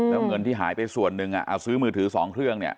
แล้วเงินที่หายไปส่วนหนึ่งซื้อมือถือสองเครื่อง